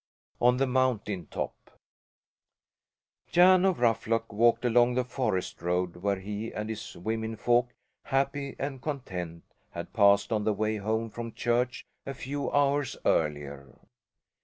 ON THE MOUNTAIN TOP Jan of Ruffluck walked along the forest road where he and his womenfolk, happy and content, had passed on the way home from church a few hours earlier.